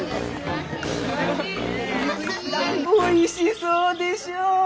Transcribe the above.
おいしそうでしょう？